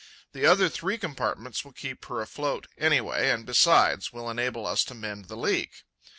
The other three compartments will keep her afloat, anyway, and, besides, will enable us to mend the leak.